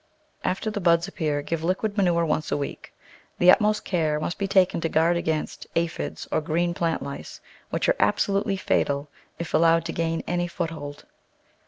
After the buds appear give liquid manure once a week. The utmost care must be taken to guard against aphides or green plant lice, which are absolutely fatal if al lowed to gain any foothold.